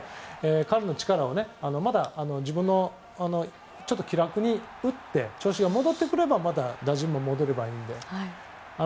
彼の力を、気楽に打って調子が戻ってくればまた打順が戻ればいいので。